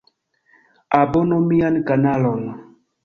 Abonu mian kanalon